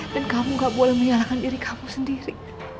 dan kamu gak boleh menyalahkan diri kamu sendiri